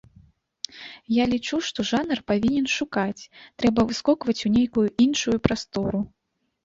Я лічу, што жанр павінен шукаць, трэба выскокваць у нейкую іншую прастору.